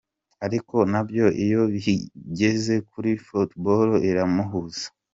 Ariko nabyo iyo bigeze kuri football irabihuza.